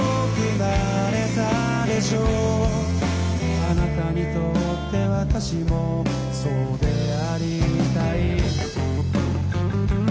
「あなたにとって私もそうでありたい」